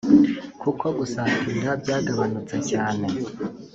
kuko gusatira byagabanutse cyane